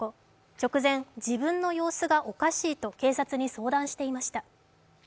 直前、自分の様子がおかしいと警察に相談していました。